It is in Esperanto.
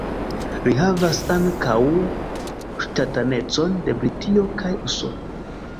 Li havas ankaŭ ŝtatanecon de Britio kaj Usono.